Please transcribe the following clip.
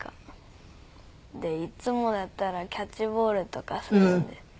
でいつもだったらキャッチボールとかするんで。